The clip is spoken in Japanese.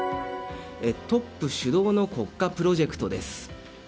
トップ主導の国家プロジェクト。